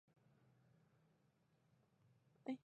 Su hermano menor es el actor Jamie Croft.